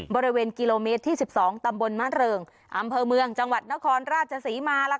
บริเวณกิโลเมตรที่๑๒ตำบลมะเริงอำเภอเมืองจังหวัดนครราชศรีมา